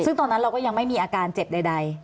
ซึ่งตอนนั้นเราก็ยังไม่มีอาการเจ็บใด